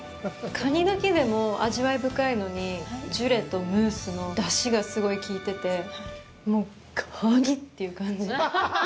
カニだけでも味わい深いのにジュレとムースの出汁がすごいきいててもうカニ！っていう感じ。